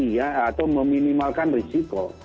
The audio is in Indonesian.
ya atau meminimalkan risiko